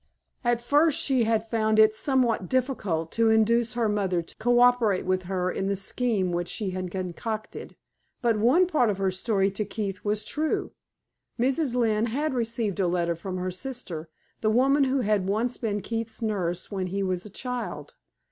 At first she had found it somewhat difficult to induce her mother to co operate with her in the scheme which she had concocted; but one part of her story to Keith was true Mrs. Lynne had received a letter from her sister, the woman who had once been Keith's nurse when he was a child.